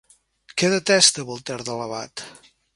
Què detesta Voltaire de l'abat?